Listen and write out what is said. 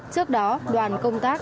trước đó đoàn công tác